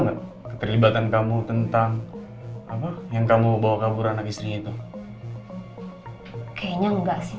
enggak keterlibatan kamu tentang apa yang kamu bawa kabur anak istri itu kayaknya enggak sih